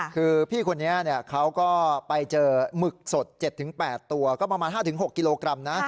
คือพี่คนนี้เขาก็ไปเจอหมึกสด๗๘ตัวก็ประมาณ๕๖กิโลกรัมนะ